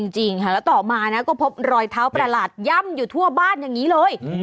จริงค่ะแล้วต่อมานะก็พบรอยเท้าประหลาดย่ำอยู่ทั่วบ้านอย่างนี้เลย